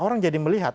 orang jadi melihat